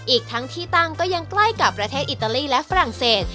อีกทั้งที่ตั้งก็ยังใกล้กับประเทศอิตาลีและฝรั่งเศส